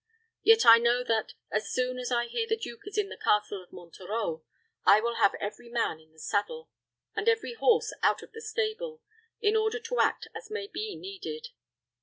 Yet I know that, as soon as I hear the duke is in the Castle of Monterreau, I will have every man in the saddle, and every horse out of the stable, in order to act as may be needed."